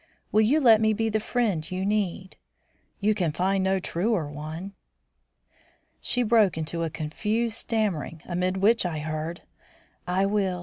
Will you let me be the friend you need? You can find no truer one." She broke into a confused stammering, amid which I heard: "I will.